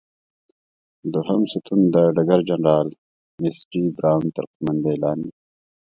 دوهم ستون د ډګر جنرال ایس جې براون تر قوماندې لاندې.